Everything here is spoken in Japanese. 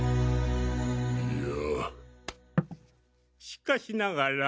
いやしかしながら。